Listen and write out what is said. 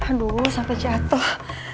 aduh sampai jatuh